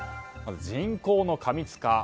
人口の過密化。